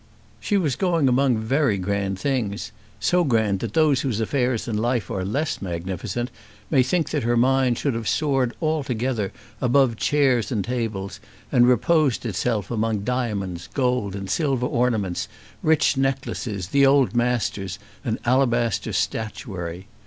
She was going among very grand things, so grand that those whose affairs in life are less magnificent may think that her mind should have soared altogether above chairs and tables, and reposed itself among diamonds, gold and silver ornaments, rich necklaces, the old masters, and alabaster statuary.